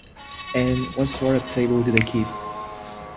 And what sort of table do they keep?